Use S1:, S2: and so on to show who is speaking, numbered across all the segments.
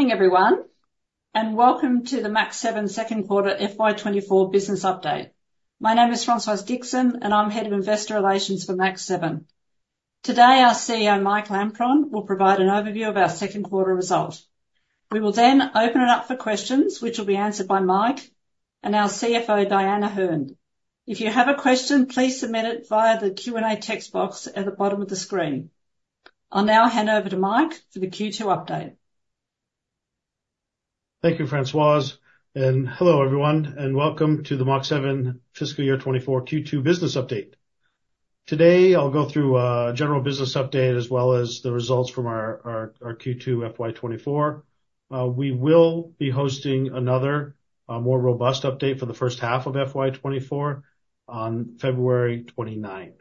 S1: Morning, everyone, and welcome to the Mach7 second quarter FY 2024 business update. My name is Françoise Dixon, and I'm Head of Investor Relations for Mach7. Today, our CEO, Mike Lampron, will provide an overview of our second quarter results. We will then open it up for questions, which will be answered by Mike and our CFO, Dyan O'Herne. If you have a question, please submit it via the Q&A text box at the bottom of the screen. I'll now hand over to Mike for the Q2 update.
S2: Thank you, Françoise, and hello, everyone, and welcome to the Mach7 fiscal year 2024 Q2 business update. Today, I'll go through a general business update as well as the results from our Q2 FY 2024. We will be hosting another more robust update for the first half of FY 2024 on February 29th.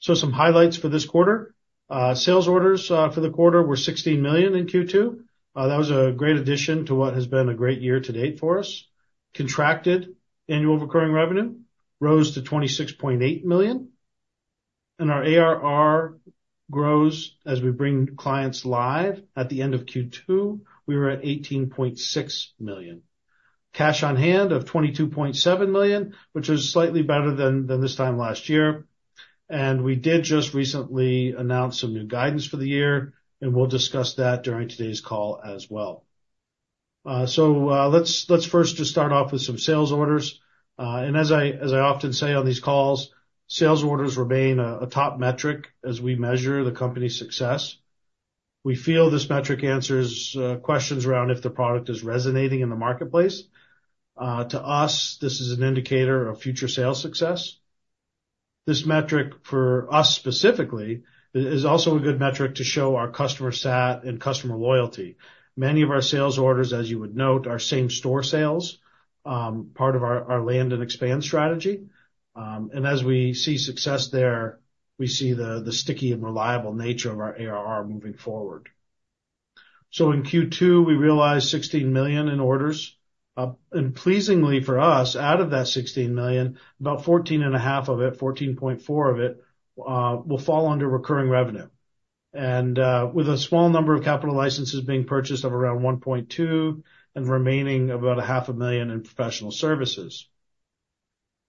S2: Some highlights for this quarter. Sales orders for the quarter were 16 million in Q2. That was a great addition to what has been a great year to date for us. Contracted annual recurring revenue rose to 26.8 million, and our ARR grows as we bring clients live. At the end of Q2, we were at 18.6 million. Cash on hand of 22.7 million, which is slightly better than this time last year. We did just recently announce some new guidance for the year, and we'll discuss that during today's call as well. So, let's first just start off with some sales orders. And as I often say on these calls, sales orders remain a top metric as we measure the company's success. We feel this metric answers questions around if the product is resonating in the marketplace. To us, this is an indicator of future sales success. This metric, for us specifically, is also a good metric to show our customer sat and customer loyalty. Many of our sales orders, as you would note, are same-store sales, part of our land and expand strategy. And as we see success there, we see the sticky and reliable nature of our ARR moving forward. So in Q2, we realized 16 million in orders. And pleasingly for us, out of that 16 million, about 14.5 of it, 14.4 of it, will fall under recurring revenue. And, with a small number of capital licenses being purchased of around 1.2, and remaining about 0.5 million in professional services.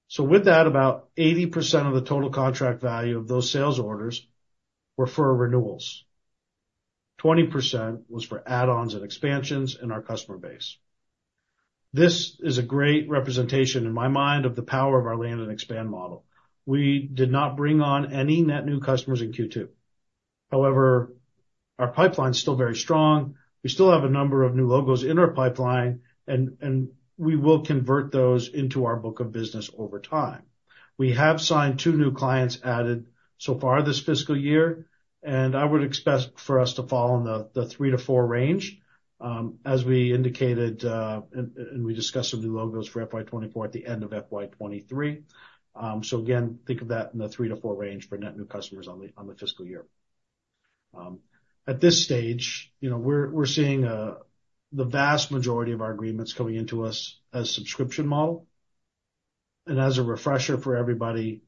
S2: So with that, about 80% of the total contract value of those sales orders were for renewals. 20% was for add-ons and expansions in our customer base. This is a great representation, in my mind, of the power of our land and expand model. We did not bring on any net new customers in Q2. However, our pipeline is still very strong. We still have a number of new logos in our pipeline, and we will convert those into our book of business over time. We have signed two new clients added so far this fiscal year, and I would expect for us to fall in the three to four range, as we indicated, and we discussed some new logos for FY 2024 at the end of FY 2023. So again, think of that in the three to four range for net new customers on the fiscal year. At this stage, you know, we're seeing the vast majority of our agreements coming into us as subscription model. And as a refresher for everybody,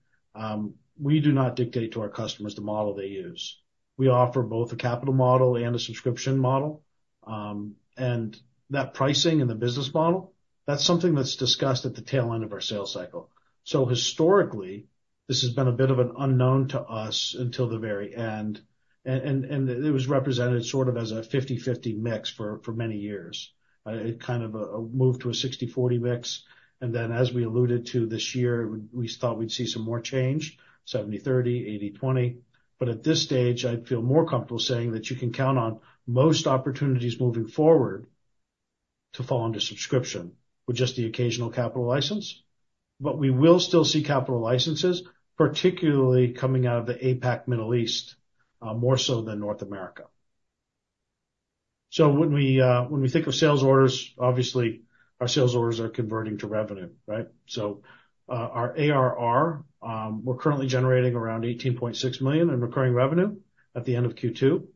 S2: we do not dictate to our customers the model they use. We offer both a capital model and a subscription model. And that pricing and the business model, that's something that's discussed at the tail end of our sales cycle. So historically, this has been a bit of an unknown to us until the very end, and it was represented sort of as a 50/50 mix for many years. It kind of moved to a 60/40 mix, and then, as we alluded to this year, we thought we'd see some more change, 70/30, 80/20. But at this stage, I'd feel more comfortable saying that you can count on most opportunities moving forward to fall under subscription with just the occasional capital license. But we will still see capital licenses, particularly coming out of the APAC Middle East, more so than North America. So when we think of sales orders, obviously our sales orders are converting to revenue, right? So, our ARR, we're currently generating around 18.6 million in recurring revenue at the end of Q2.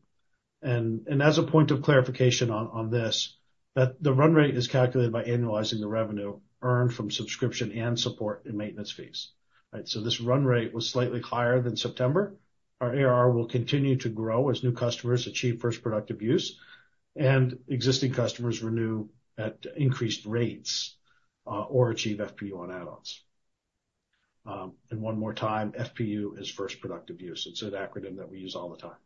S2: And as a point of clarification on this, that the run rate is calculated by annualizing the revenue earned from subscription and support and maintenance fees. Right, so this run rate was slightly higher than September. Our ARR will continue to grow as new customers achieve first productive use, and existing customers renew at increased rates, or achieve FPU on add-ons. And one more time, FPU is first productive use. It's an acronym that we use all the time.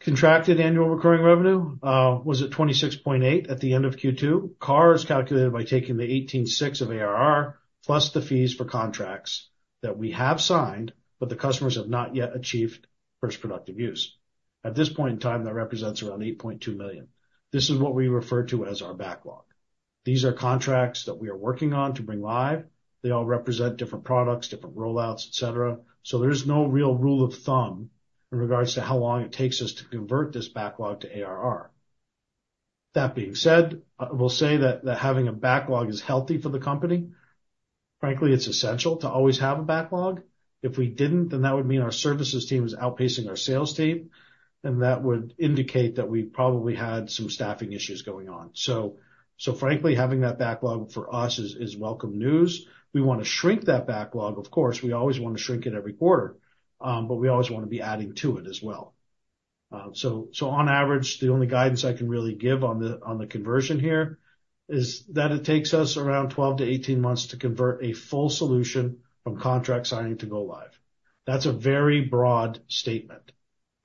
S2: Contracted annual recurring revenue was at 26.8 million at the end of Q2. CARR is calculated by taking the 18.6 of ARR, plus the fees for contracts that we have signed, but the customers have not yet achieved first productive use. At this point in time, that represents around 8.2 million. This is what we refer to as our backlog. These are contracts that we are working on to bring live. They all represent different products, different rollouts, et cetera. So there's no real rule of thumb in regards to how long it takes us to convert this backlog to ARR. That being said, I will say that having a backlog is healthy for the company. Frankly, it's essential to always have a backlog. If we didn't, then that would mean our services team was outpacing our sales team, and that would indicate that we probably had some staffing issues going on. So frankly, having that backlog for us is welcome news. We want to shrink that backlog, of course. We always want to shrink it every quarter, but we always want to be adding to it as well. So, on average, the only guidance I can really give on the conversion here is that it takes us around 12 months-18 months to convert a full solution from contract signing to go live. That's a very broad statement.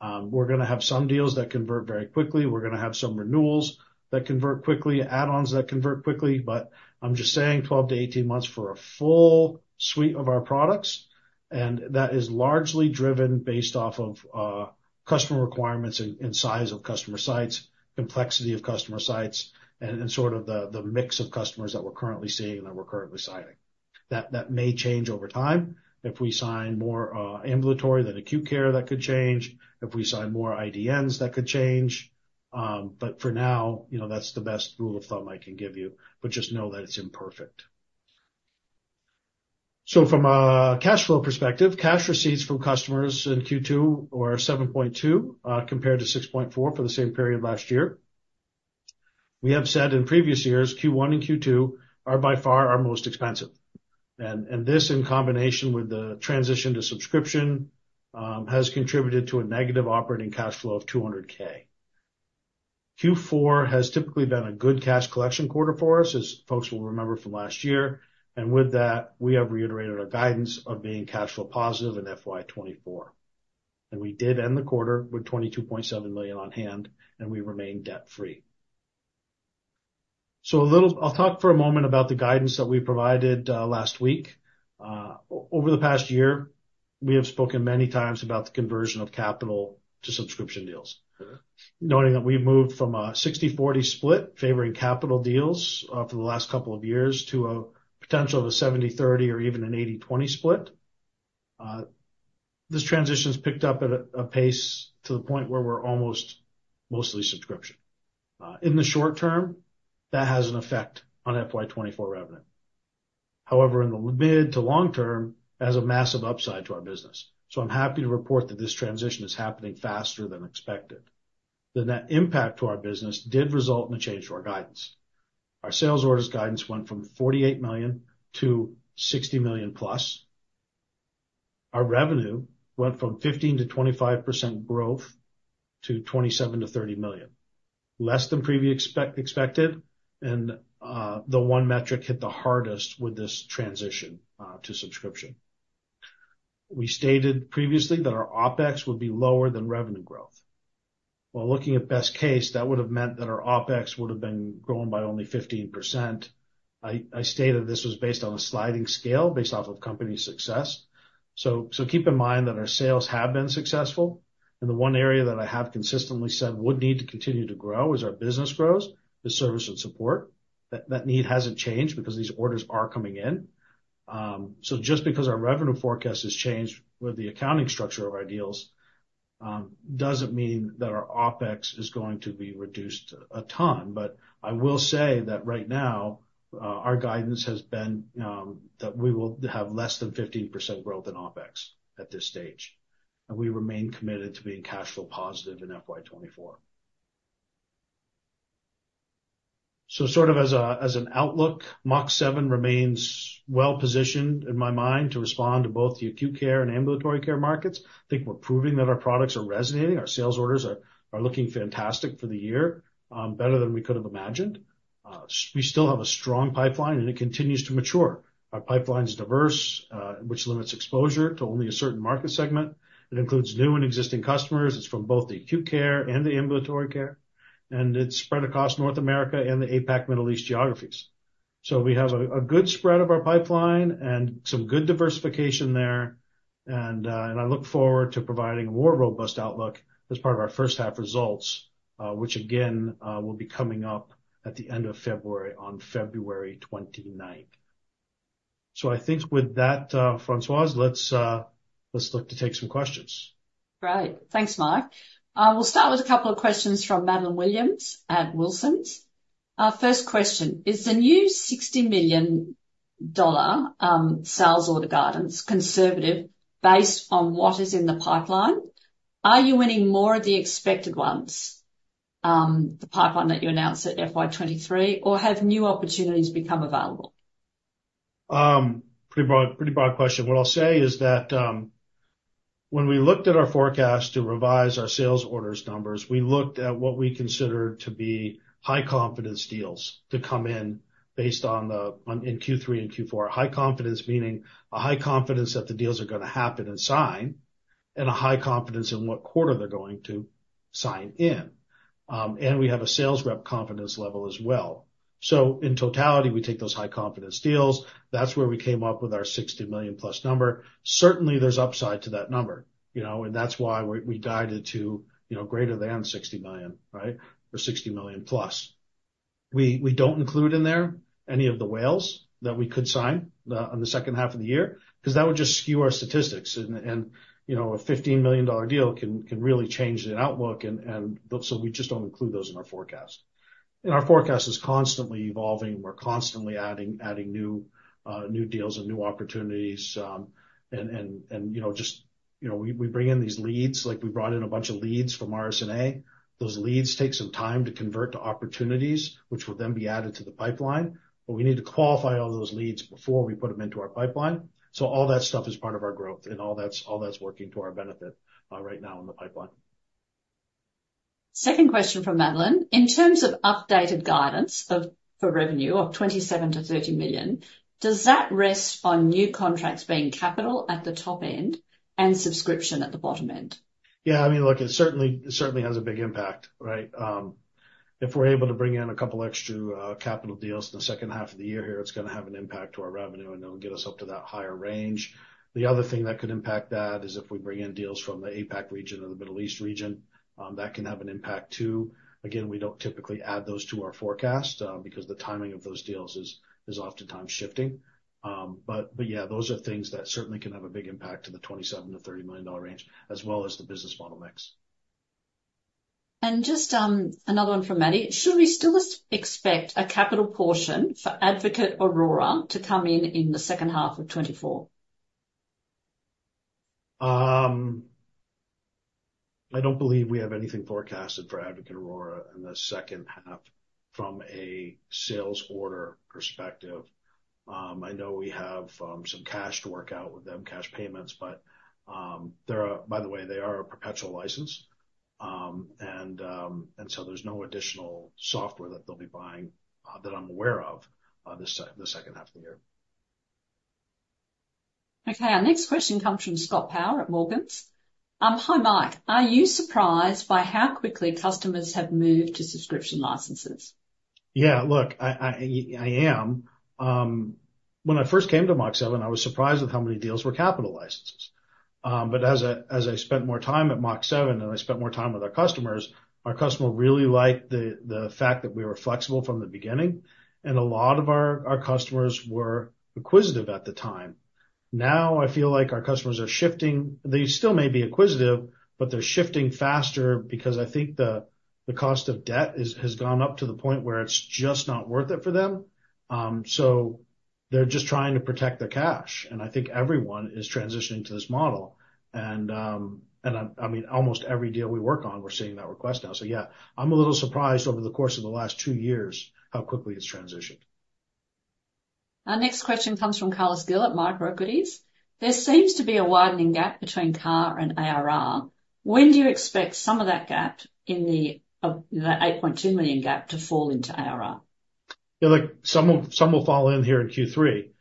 S2: We're gonna have some deals that convert very quickly. We're gonna have some renewals that convert quickly, add-ons that convert quickly. But I'm just saying 12 months-18 months for a full suite of our products, and that is largely driven based off of customer requirements and size of customer sites, complexity of customer sites, and sort of the mix of customers that we're currently seeing and that we're currently signing. That may change over time. If we sign more ambulatory than acute care, that could change. If we sign more IDNs, that could change. But for now, you know, that's the best rule of thumb I can give you, but just know that it's imperfect. So from a cash flow perspective, cash receipts from customers in Q2 were 7.2 compared to 6.4 for the same period last year. We have said in previous years, Q1 and Q2 are by far our most expensive, and this, in combination with the transition to subscription, has contributed to a negative operating cash flow of 200,000. Q4 has typically been a good cash collection quarter for us, as folks will remember from last year, and with that, we have reiterated our guidance of being cash flow positive in FY 2024. We did end the quarter with 22.7 million on hand, and we remain debt-free. So, a little, I'll talk for a moment about the guidance that we provided last week. Over the past year, we have spoken many times about the conversion of capital to subscription deals, noting that we've moved from a 60/40 split, favoring capital deals, for the last couple of years, to a potential of a 70/30 or even an 80/20 split. This transition's picked up at a pace to the point where we're almost mostly subscription. In the short term, that has an effect on FY 2024 revenue. However, in the mid to long term, it has a massive upside to our business. So I'm happy to report that this transition is happening faster than expected. The net impact to our business did result in a change to our guidance. Our sales orders guidance went from 48 million to 60 million+. Our revenue went from 15%-25% growth to 27 million-30 million, less than previously expected, and the one metric hit the hardest with this transition to subscription. We stated previously that our OpEx would be lower than revenue growth. Well, looking at best case, that would have meant that our OpEx would have been growing by only 15%. I stated this was based on a sliding scale, based off of company success. So keep in mind that our sales have been successful, and the one area that I have consistently said would need to continue to grow as our business grows, is service and support. That need hasn't changed because these orders are coming in. So just because our revenue forecast has changed with the accounting structure of our deals, doesn't mean that our OpEx is going to be reduced a ton. But I will say that right now, our guidance has been that we will have less than 15% growth in OpEx at this stage, and we remain committed to being cash flow positive in FY 2024. So sort of as a, as an outlook, Mach7 remains well positioned, in my mind, to respond to both the acute care and ambulatory care markets. I think we're proving that our products are resonating. Our sales orders are looking fantastic for the year, better than we could have imagined. We still have a strong pipeline, and it continues to mature. Our pipeline is diverse, which limits exposure to only a certain market segment. It includes new and existing customers. It's from both the acute care and the ambulatory care, and it's spread across North America and the APAC Middle East geographies. So we have a good spread of our pipeline and some good diversification there, and, and I look forward to providing a more robust outlook as part of our first half results, which again, will be coming up at the end of February, on February 29th. So I think with that, Françoise, let's, let's look to take some questions.
S1: Great. Thanks, Mike. We'll start with a couple of questions from Madeline Williams at Wilsons. First question: Is the new $60 million sales order guidance conservative based on what is in the pipeline? Are you winning more of the expected ones, the pipeline that you announced at FY 2023, or have new opportunities become available?
S2: Pretty broad, pretty broad question. What I'll say is that, when we looked at our forecast to revise our sales orders numbers, we looked at what we considered to be high-confidence deals to come in based on in Q3 and Q4. High confidence, meaning a high confidence that the deals are gonna happen and sign, and a high confidence in what quarter they're going to sign in. And we have a sales rep confidence level as well. So in totality, we take those high-confidence deals. That's where we came up with our $60 million+ number. Certainly, there's upside to that number, you know, and that's why we guided to, you know, greater than $60 million, right, or $60 million+. We don't include in there any of the whales that we could sign on the second half of the year, 'cause that would just skew our statistics. And you know, a $15 million deal can really change an outlook, and so we just don't include those in our forecast. And our forecast is constantly evolving. We're constantly adding new deals and new opportunities, and you know, we bring in these leads, like we brought in a bunch of leads from RSNA. Those leads take some time to convert to opportunities, which will then be added to the pipeline, but we need to qualify all those leads before we put them into our pipeline. So all that stuff is part of our growth, and all that's, all that's working to our benefit, right now in the pipeline.
S1: Second question from Madeline. In terms of updated guidance of, for revenue of 27 million-30 million, does that rest on new contracts being capital at the top end and subscription at the bottom end?
S2: Yeah, I mean, look, it certainly, certainly has a big impact, right? If we're able to bring in a couple extra capital deals in the second half of the year here, it's gonna have an impact to our revenue, and it'll get us up to that higher range. The other thing that could impact that is if we bring in deals from the APAC region or the Middle East region, that can have an impact too. Again, we don't typically add those to our forecast, because the timing of those deals is oftentimes shifting. But yeah, those are things that certainly can have a big impact to the $27 million-$30 million range, as well as the business model mix.
S1: Just another one from Maddie: Should we still expect a capital portion for Advocate Aurora to come in in the second half of 2024?
S2: I don't believe we have anything forecasted for Advocate Aurora in the second half from a sales order perspective. I know we have some cash to work out with them, cash payments, but they're. By the way, they are a perpetual license. And so there's no additional software that they'll be buying, that I'm aware of, the second half of the year.
S1: Okay. Our next question comes from Scott Power at Morgans. Hi, Mike. Are you surprised by how quickly customers have moved to subscription licenses?
S2: Yeah, look, I am. When I first came to Mach7, I was surprised at how many deals were capital licenses. But as I spent more time at Mach7 and I spent more time with our customers, our customer really liked the fact that we were flexible from the beginning, and a lot of our customers were acquisitive at the time. Now, I feel like our customers are shifting. They still may be acquisitive, but they're shifting faster because I think the cost of debt has gone up to the point where it's just not worth it for them. So they're just trying to protect their cash, and I think everyone is transitioning to this model. And I mean, almost every deal we work on, we're seeing that request now. So yeah, I'm a little surprised over the course of the last two years, how quickly it's transitioned.
S1: Our next question comes from Carlos Gil at Microequities. There seems to be a widening gap between CARR and ARR. When do you expect some of that gap, the 8.2 million gap, to fall into ARR?
S2: Yeah, look, some will, some will fall in here in Q3.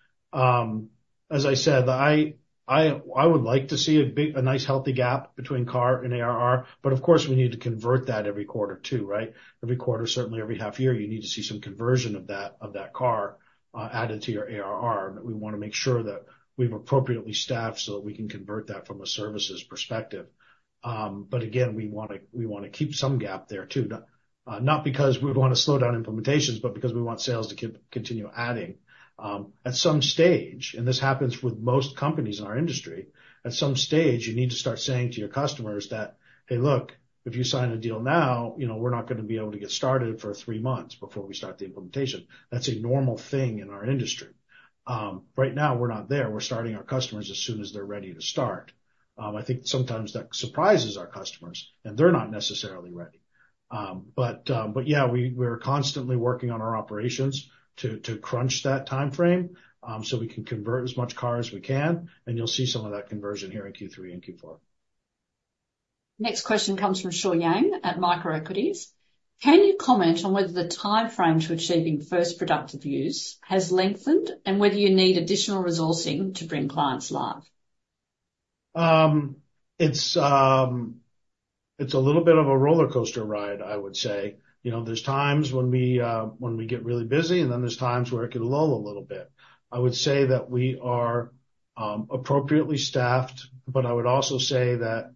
S2: As I said, I would like to see a big, a nice, healthy gap between CARR and ARR, but of course, we need to convert that every quarter too, right? Every quarter, certainly every half year, you need to see some conversion of that CARR added to your ARR. But we wanna make sure that we're appropriately staffed so that we can convert that from a services perspective. But again, we wanna keep some gap there, too. Not, not because we would want to slow down implementations, but because we want sales to keep, continue adding. At some stage, and this happens with most companies in our industry, at some stage, you need to start saying to your customers that, "Hey, look, if you sign a deal now, you know, we're not gonna be able to get started for three months before we start the implementation." That's a normal thing in our industry. Right now, we're not there. We're starting our customers as soon as they're ready to start. I think sometimes that surprises our customers, and they're not necessarily ready. But yeah, we're constantly working on our operations to crunch that timeframe, so we can convert as much CARR as we can, and you'll see some of that conversion here in Q3 and Q4.
S1: Next question comes from Shuo Yang at Microequities. Can you comment on whether the timeframe to achieving first productive use has lengthened, and whether you need additional resourcing to bring clients live?
S2: It's a little bit of a rollercoaster ride, I would say. You know, there's times when we, when we get really busy, and then there's times where it can lull a little bit. I would say that we are appropriately staffed, but I would also say that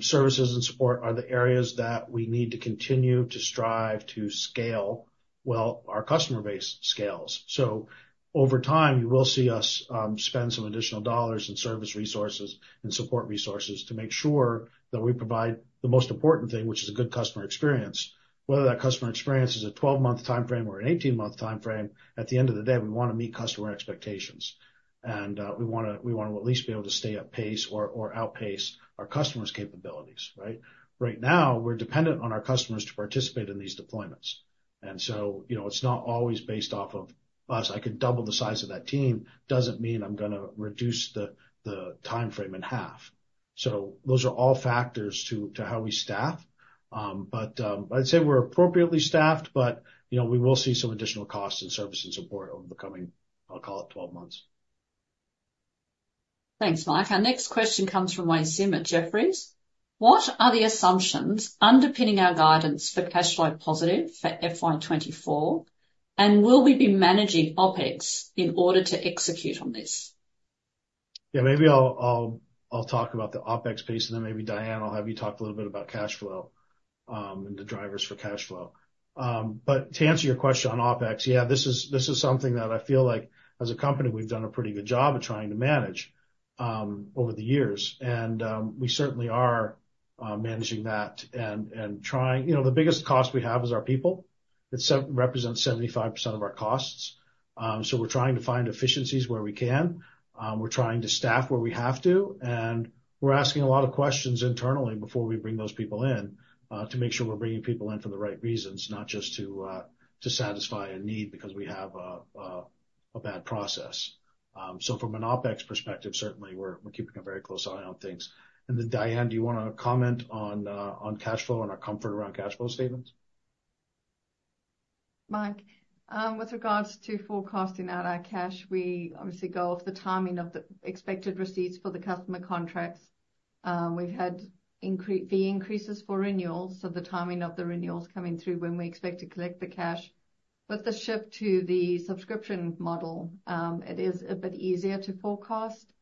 S2: services and support are the areas that we need to continue to strive to scale while our customer base scales. So over time, you will see us spend some additional dollars in service resources and support resources to make sure that we provide the most important thing, which is a good customer experience. Whether that customer experience is a 12-month timeframe or an 18-month timeframe, at the end of the day, we wanna meet customer expectations. And we wanna, we wanna at least be able to stay at pace or outpace our customers' capabilities, right? Right now, we're dependent on our customers to participate in these deployments, and so, you know, it's not always based off of us. I could double the size of that team; it doesn't mean I'm gonna reduce the timeframe in half. So those are all factors to how we staff. But I'd say we're appropriately staffed, but, you know, we will see some additional costs in service and support over the coming; I'll call it 12 months.
S1: Thanks, Mike. Our next question comes from Wei Sim at Jefferies. What are the assumptions underpinning our guidance for cash flow positive for FY 2024, and will we be managing OpEx in order to execute on this?
S2: Yeah, maybe I'll talk about the OpEx piece, and then maybe, Dyan, I'll have you talk a little bit about cash flow, and the drivers for cash flow. But to answer your question on OpEx, yeah, this is something that I feel like as a company, we've done a pretty good job of trying to manage over the years, and we certainly are managing that and trying. You know, the biggest cost we have is our people. It represents 75% of our costs. So we're trying to find efficiencies where we can. We're trying to staff where we have to, and we're asking a lot of questions internally before we bring those people in, to make sure we're bringing people in for the right reasons, not just to satisfy a need because we have a bad process. So from an OpEx perspective, certainly we're keeping a very close eye on things. And then, Dyan, do you wanna comment on cash flow and our comfort around cash flow statements?
S3: Mike, with regards to forecasting out our cash, we obviously go off the timing of the expected receipts for the customer contracts. We've had fee increases for renewals, so the timing of the renewals coming through when we expect to collect the cash. With the shift to the subscription model, it is a bit easier to forecast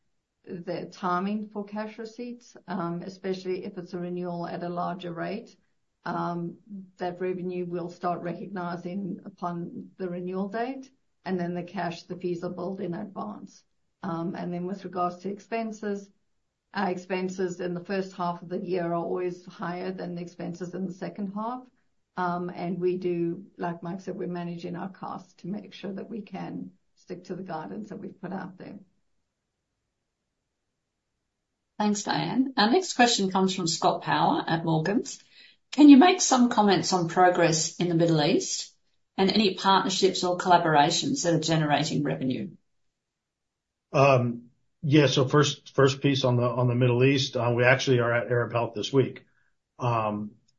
S3: the timing for cash receipts, especially if it's a renewal at a larger rate. That revenue we'll start recognizing upon the renewal date, and then the cash, the fees are billed in advance. And then with regards to expenses, our expenses in the first half of the year are always higher than the expenses in the second half. And we do, like Mike said, we're managing our costs to make sure that we can stick to the guidance that we've put out there.
S1: Thanks, Dyan. Our next question comes from Scott Power at Morgans: Can you make some comments on progress in the Middle East, and any partnerships or collaborations that are generating revenue?
S2: Yeah. So first piece on the Middle East, we actually are at Arab Health this week.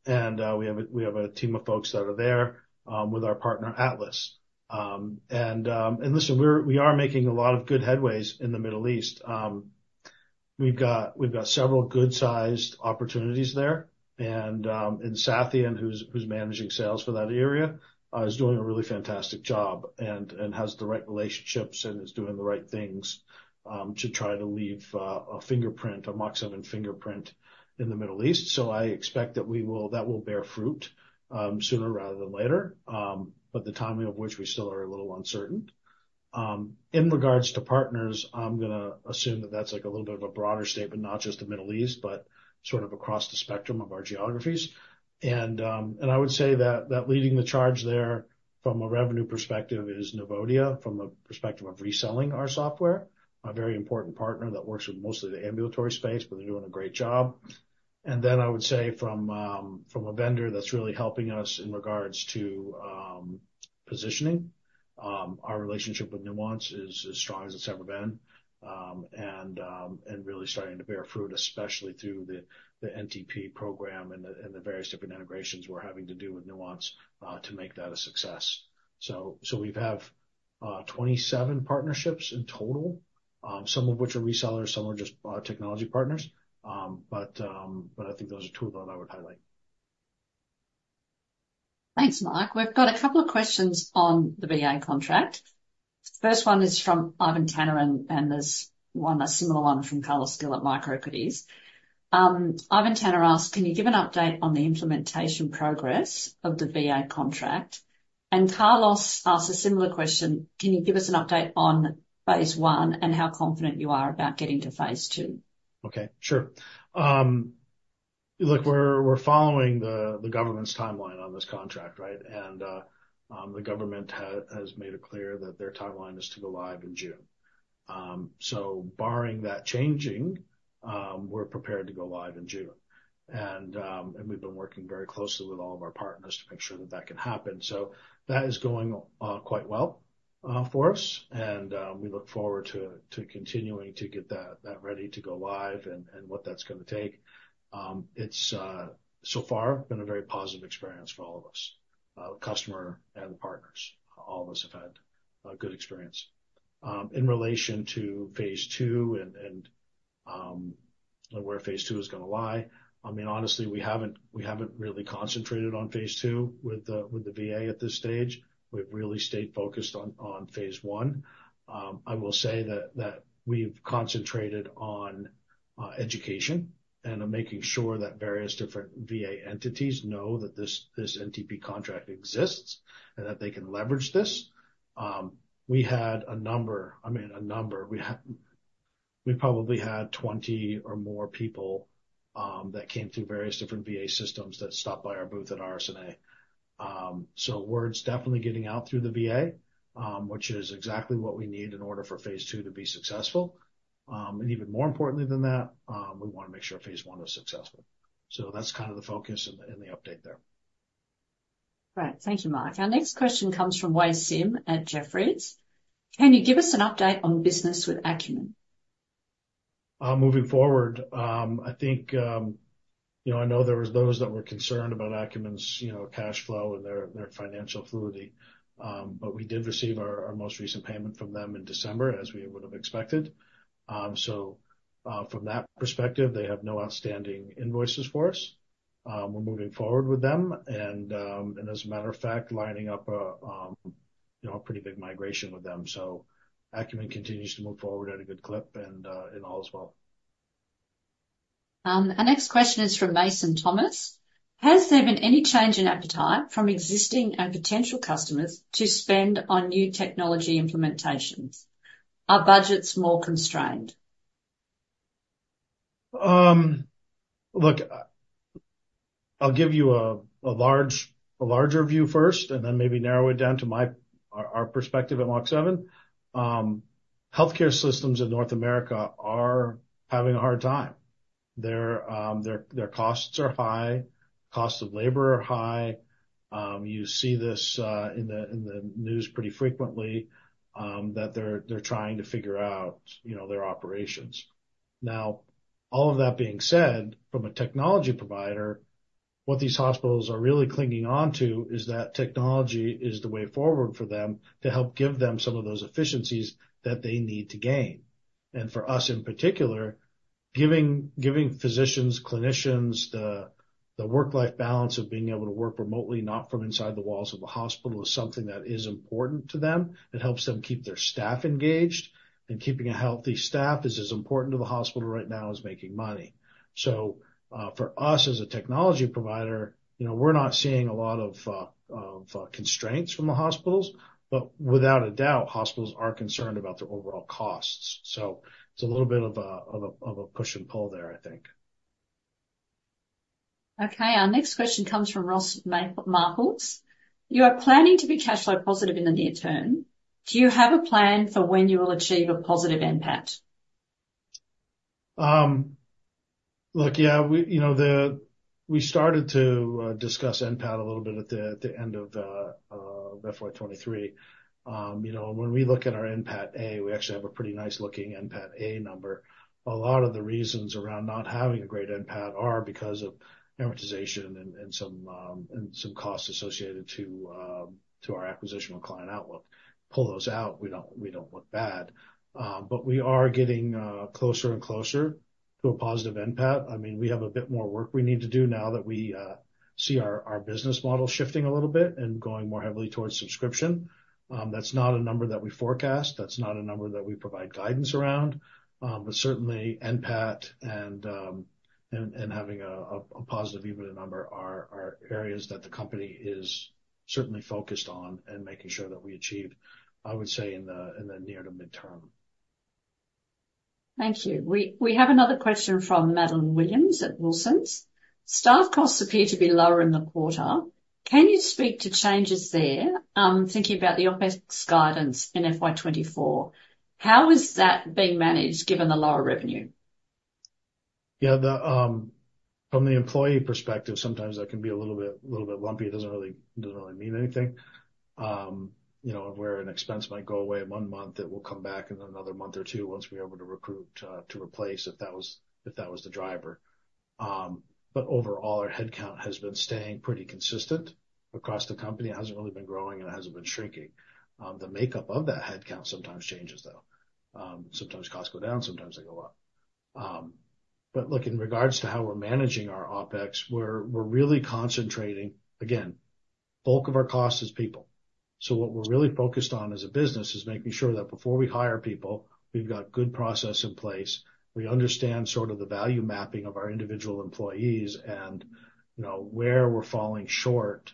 S2: We have a team of folks that are there with our partner, Atlas. Listen, we are making a lot of good headways in the Middle East. We've got several good-sized opportunities there, and Sathyan, who's managing sales for that area, is doing a really fantastic job and has the right relationships and is doing the right things to try to leave a fingerprint, a Mach7 fingerprint in the Middle East. So I expect that we will bear fruit sooner rather than later. But the timing of which we still are a little uncertain. In regards to partners, I'm gonna assume that that's, like, a little bit of a broader statement, not just the Middle East, but sort of across the spectrum of our geographies. And I would say that leading the charge there from a revenue perspective is Nuvodia, from a perspective of reselling our software, a very important partner that works with mostly the ambulatory space, but they're doing a great job. And then I would say from a vendor that's really helping us in regards to positioning, our relationship with Nuance is as strong as it's ever been, and really starting to bear fruit, especially through the NTP program and the various different integrations we're having to do with Nuance to make that a success. So, we have 27 partnerships in total, some of which are resellers, some are just technology partners. But I think those are two of them I would highlight.
S1: Thanks, Mike. We've got a couple of questions on the VA contract. First one is from Ivan Tanner, and there's one, a similar one from Carlos Gil at Microequities. Ivan Tanner asks: Can you give an update on the implementation progress of the VA contract? And Carlos asks a similar question: Can you give us an update on phase I, and how confident you are about getting to phase II?
S2: Okay, sure. Look, we're following the government's timeline on this contract, right? And the government has made it clear that their timeline is to go live in June. So barring that changing, we're prepared to go live in June. And we've been working very closely with all of our partners to make sure that that can happen. So that is going quite well for us, and we look forward to continuing to get that ready to go live and what that's gonna take. It's so far been a very positive experience for all of us, customer and partners. All of us have had a good experience. In relation to phase II and where phase II is gonna lie, I mean, honestly, we haven't really concentrated on phase II with the VA at this stage. We've really stayed focused on phase I. I will say that we've concentrated on education and on making sure that various different VA entities know that this NTP contract exists, and that they can leverage this. We probably had 20 or more people that came through various different VA systems that stopped by our booth at RSNA. So word's definitely getting out through the VA, which is exactly what we need in order for phase II to be successful. And even more importantly than that, we wanna make sure phase I is successful. That's kind of the focus and the update there.
S1: Great. Thank you, Mike. Our next question comes from Wei Sim at Jefferies: Can you give us an update on business with Akumin?
S2: Moving forward, I think, you know, I know there was those that were concerned about Akumin's, you know, cash flow and their, their financial fluidity. But we did receive our, our most recent payment from them in December, as we would have expected. So, from that perspective, they have no outstanding invoices for us. We're moving forward with them and, and as a matter of fact, lining up a, you know, a pretty big migration with them. So Akumin continues to move forward at a good clip, and, and all is well.
S1: Our next question is from Mason Thomas: Has there been any change in appetite from existing and potential customers to spend on new technology implementations? Are budgets more constrained?
S2: Look, I'll give you a larger view first and then maybe narrow it down to our perspective at Mach7. Healthcare systems in North America are having a hard time. Their costs are high, costs of labor are high. You see this in the news pretty frequently that they're trying to figure out, you know, their operations. Now, all of that being said, from a technology provider, what these hospitals are really clinging on to is that technology is the way forward for them to help give them some of those efficiencies that they need to gain. For us, in particular, giving physicians, clinicians, the work-life balance of being able to work remotely, not from inside the walls of a hospital, is something that is important to them. It helps them keep their staff engaged, and keeping a healthy staff is as important to the hospital right now as making money. So, for us, as a technology provider, you know, we're not seeing a lot of constraints from the hospitals, but without a doubt, hospitals are concerned about their overall costs. So it's a little bit of a push and pull there, I think.
S1: Okay. Our next question comes from Ross Marcos. You are planning to be cash flow positive in the near term. Do you have a plan for when you will achieve a positive NPAT?
S2: Look, yeah, we-- you know, the-- we started to discuss NPAT a little bit at the end of FY 2023. You know, when we look at our NPATA, we actually have a pretty nice-looking NPATA number. A lot of the reasons around not having a great NPAT are because of amortization and, and some, and some costs associated to our acquisition on Client Outlook. Pull those out, we don't, we don't look bad. But we are getting closer and closer to a positive NPAT. I mean, we have a bit more work we need to do now that we see our business model shifting a little bit and going more heavily towards subscription. That's not a number that we forecast. That's not a number that we provide guidance around. But certainly NPAT and having a positive EBITDA number are areas that the company is certainly focused on and making sure that we achieve, I would say, in the near to midterm.
S1: Thank you. We, we have another question from Madeline Williams at Wilsons. Staff costs appear to be lower in the quarter. Can you speak to changes there? I'm thinking about the OpEx guidance in FY 2024. How is that being managed, given the lower revenue?
S2: Yeah, from the employee perspective, sometimes that can be a little bit, little bit lumpy. It doesn't really, doesn't really mean anything. You know, where an expense might go away in one month, it will come back in another month or two once we're able to recruit to replace, if that was, if that was the driver. But overall, our headcount has been staying pretty consistent across the company. It hasn't really been growing, and it hasn't been shrinking. The makeup of that headcount sometimes changes, though. Sometimes costs go down, sometimes they go up. But look, in regards to how we're managing our OpEx, we're really concentrating. Again, bulk of our cost is people, so what we're really focused on as a business is making sure that before we hire people, we've got good process in place, we understand sort of the value mapping of our individual employees and, you know, where we're falling short,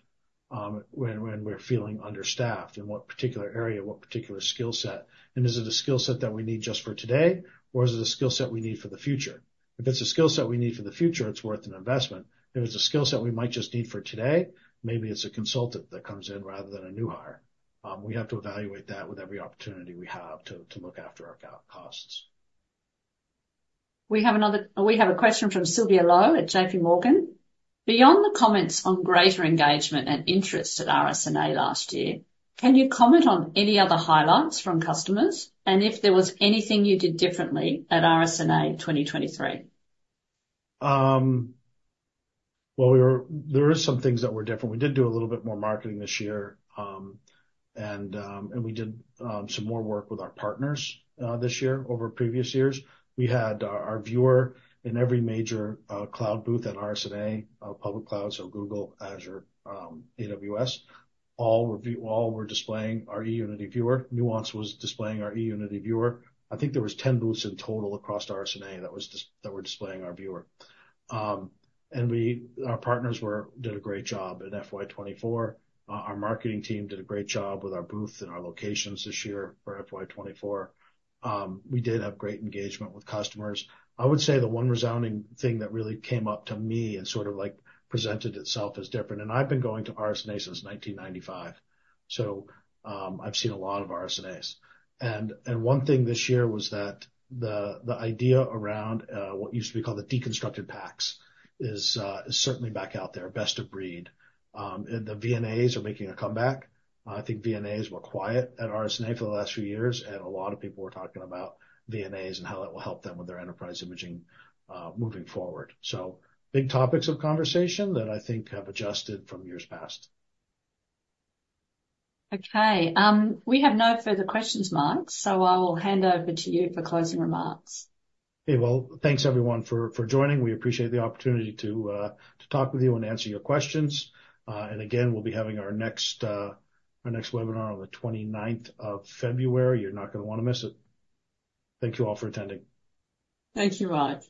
S2: when we're feeling understaffed, in what particular area, what particular skill set, and is it a skill set that we need just for today, or is it a skill set we need for the future? If it's a skill set we need for the future, it's worth an investment. If it's a skill set we might just need for today, maybe it's a consultant that comes in rather than a new hire. We have to evaluate that with every opportunity we have to look after our core costs.
S1: We have a question from Sylvia Luo at JPMorgan. Beyond the comments on greater engagement and interest at RSNA last year, can you comment on any other highlights from customers, and if there was anything you did differently at RSNA 2023?
S2: Well, there is some things that were different. We did do a little bit more marketing this year, and, and we did, some more work with our partners, this year over previous years. We had our, our viewer in every major, cloud booth at RSNA, public cloud, so Google, Azure, AWS, all were displaying our eUnity viewer. Nuance was displaying our eUnity viewer. I think there was 10 booths in total across RSNA that were displaying our viewer. And our partners did a great job in FY 2024. Our marketing team did a great job with our booth and our locations this year for FY 2024. We did have great engagement with customers. I would say the one resounding thing that really came up to me and sort of, like, presented itself as different, and I've been going to RSNA since 1995, so I've seen a lot of RSNAs. And one thing this year was that the idea around what used to be called the deconstructed PACS is certainly back out there, best of breed. And the VNAs are making a comeback. I think VNAs were quiet at RSNA for the last few years, and a lot of people were talking about VNAs and how that will help them with their enterprise imaging moving forward. So big topics of conversation that I think have adjusted from years past.
S1: Okay. We have no further questions, Mike, so I will hand over to you for closing remarks.
S2: Hey, well, thanks, everyone, for joining. We appreciate the opportunity to talk with you and answer your questions. And again, we'll be having our next webinar on the twenty-ninth of February. You're not gonna wanna miss it. Thank you all for attending.
S1: Thank you, Mike.